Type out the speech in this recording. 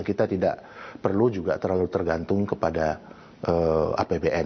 kita tidak perlu juga terlalu tergantung kepada apbn